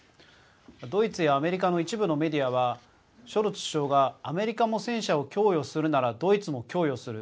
ドイツやアメリカの一部のメディアはショルツ首相がアメリカも戦車を供与するならドイツも供与する。